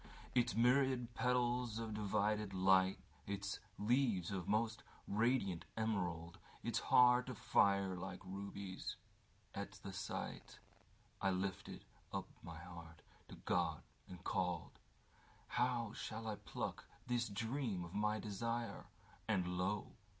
Its myriad petals of divided light; Its leaves of the most radiant emerald; Its heart of fire like rubies. At the sightI lifted up my heart to God and called:How shall I pluck this dream of my desire? And lo!